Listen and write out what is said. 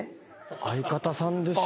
相方さんですよ？